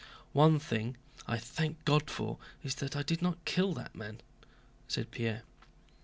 "One thing I thank God for is that I did not kill that man," said Pierre.